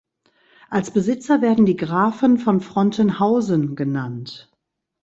Als Besitzer werden die Grafen von Frontenhausen genannt.